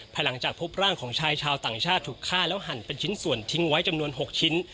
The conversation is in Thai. หลังจากพบร่างของชายชาวต่างชาติถูกฆ่าแล้วหั่นเป็นชิ้นส่วนทิ้งไว้จำนวน๖ชิ้น